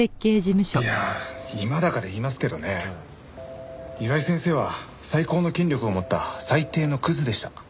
いや今だから言いますけどね岩井先生は最高の権力を持った最低のクズでした。